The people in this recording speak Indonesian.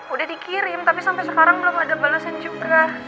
udah dikirim tapi sampai sekarang belum ada balasan juga